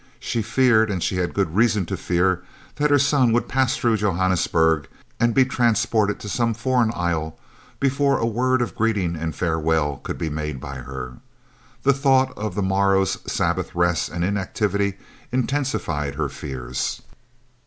She feared, and she had good reason to fear, that her son would pass through Johannesburg, and be transported to some foreign isle, before a word of greeting and farewell could be made by her. The thought of the morrow's Sabbath rest and inactivity intensified her fears.